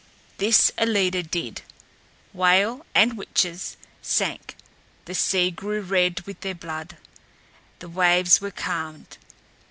This Ellida did. Whale and witches sank; the sea grew red with their blood; the waves were calmed.